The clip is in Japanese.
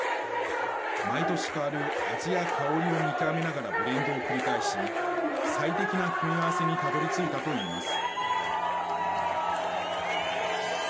毎年変わる味や香りを見極めながらブレンドを繰り返し、最適な組み合わせにたどりついたといいます。